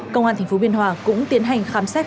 công an tp biên hòa cũng tiến hành khám xét